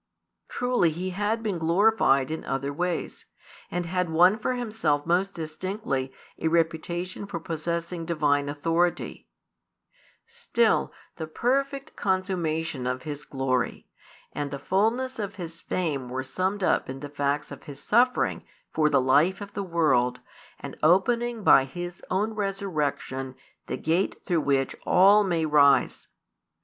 Truly He had been glorified in other ways, and had won for Himself most distinctly a reputation for possessing Divine authority: still the perfect consummation of His |210 glory and the fulness of His fame were summed up in the facts of His suffering for the life of the world and opening by His own resurrection the gate through which all may rise.